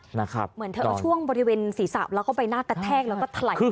เหมือนเธอก็ช่วงบริเวณศรีสาปแล้วก็ไปหน้ากระแทงแล้วก็ถล่ายไปกับพุ้นเต็ม